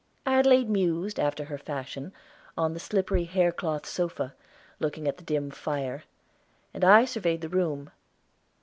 Adelaide mused, after her fashion, on the slippery hair cloth sofa, looking at the dim fire, and I surveyed the room.